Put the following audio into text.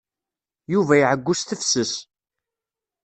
Yuba iɛeyyu s tefses.